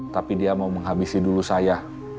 tapi dia mau menghabisi dulu saya